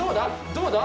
どうだ？